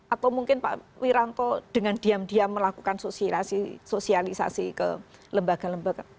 atau mungkin pak wiranto dengan diam diam melakukan sosialisasi ke lembaga lembaga